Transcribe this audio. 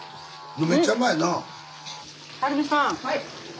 めっちゃうまいなあ？